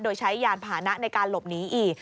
โดยใช้ยานพานะในการหลบหนีอีก